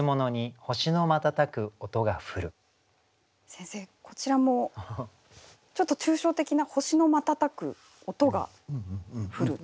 先生こちらもちょっと抽象的な「星のまたたく音が降る」。